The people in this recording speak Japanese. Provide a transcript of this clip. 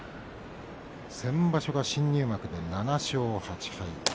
先場所は新入幕で７勝８敗。